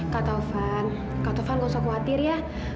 kak taufan kak taufan gak usah khawatir ya